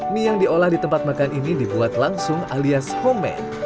mie yang diolah di tempat makan ini dibuat langsung alias home man